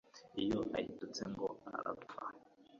iyo ayitutse ngo arapfa,